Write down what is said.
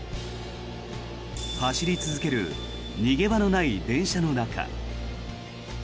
走り続ける逃げ場のない電車の中。